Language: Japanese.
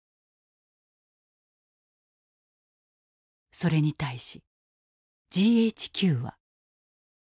それに対しＧＨＱは。